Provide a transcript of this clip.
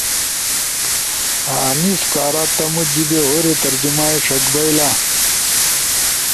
ا انیس کارتمو جیِبے ہورے ترجمہ ئی ݜک بئیلا۔